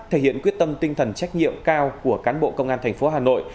thể hiện quyết tâm tinh thần trách nhiệm cao của cán bộ công an thành phố hà nội